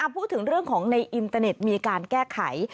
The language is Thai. พูดถึงเรื่องของในอินเตอร์เน็ตมีการแก้ไข